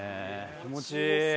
気持ちいい。